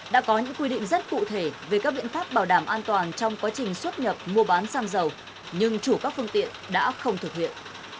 đã có những quy định rất cụ thể về các biện pháp bảo đảm an toàn trong quá trình xuất nhập mua bán xăng dầu nhưng chủ các phương tiện đã không thực hiện